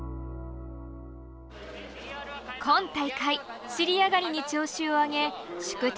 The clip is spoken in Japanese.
今大会尻上がりに調子を上げ宿敵